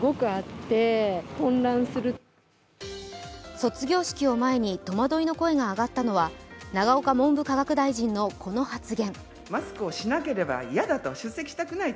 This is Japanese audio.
卒業式を前に、戸惑いの声が上がったのは永岡文部科学大臣のこの発言。